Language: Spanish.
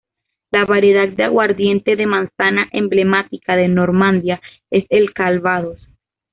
La variedad de aguardiente de manzana emblemática de Normandía es el calvados.